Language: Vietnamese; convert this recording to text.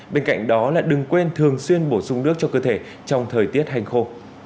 bên cạnh đó là đừng quên thường xuyên bổ sung nước cho cơ thể trong thời tiết hành khô